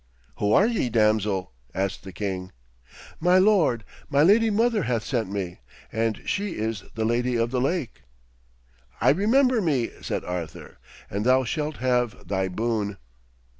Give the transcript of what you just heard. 'Who are ye, damsel?' asked the king. 'My lord, my lady mother hath sent me, and she is the Lady of the Lake.' 'I remember me,' said Arthur, 'and thou shalt have thy boon.'